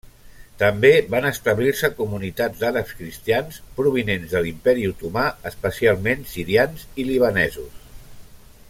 També van establir-se comunitats d'Àrabs Cristians, provinents de l'Imperi Otomà, especialment sirians i libanesos.